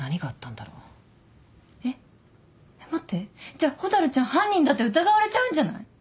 じゃあ蛍ちゃん犯人だって疑われちゃうんじゃない？